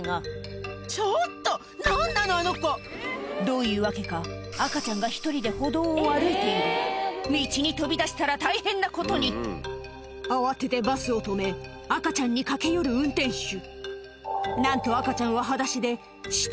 どういうわけか赤ちゃんが１人で歩道を歩いている道に飛び出したら大変なことに慌ててバスを止め赤ちゃんに駆け寄る運転手